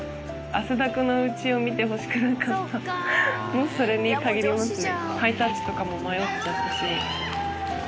もうそれに限りますね。